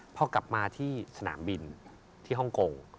พอกลับมาที่สนามบินที่ฮ่องกง